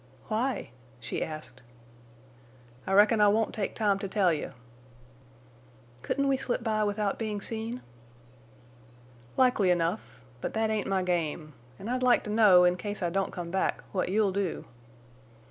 "Why?" she asked. "I reckon I won't take time to tell you." "Couldn't we slip by without being seen?" "Likely enough. But that ain't my game. An' I'd like to know, in case I don't come back, what you'll do."